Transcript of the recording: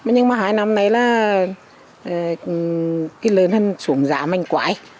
nhưng mà hai năm nay là cái lớn hơn xuống giảm anh quái